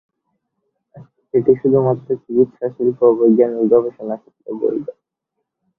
এটি শুধুমাত্র চিকিৎসা, শিল্প ও বৈজ্ঞানিক গবেষণা ক্ষেত্রে বৈধ।